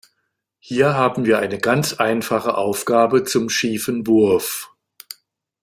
Hier haben wir eine ganz einfache Aufgabe zum schiefen Wurf.